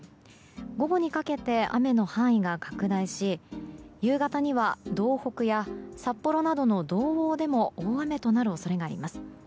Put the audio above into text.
午後にかけて雨の範囲が拡大し夕方には、道北や札幌などの道央でも大雨となる恐れがあります。